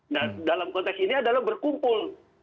nah dalam konteks ini adalah berkumpul